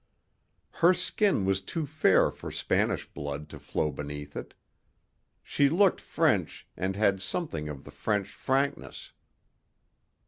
Her skin was too fair for Spanish blood to flow beneath it. She looked French and had something of the French frankness.